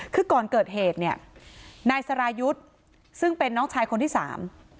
คือก่อนเกิดเหตุเนี่ยนายสรายุทธ์ซึ่งเป็นน้องชายคนที่สาม